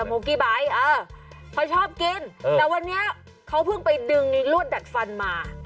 โมกี้ไบท์เออเขาชอบกินแต่วันนี้เขาเพิ่งไปดึงลวดดัดฟันมา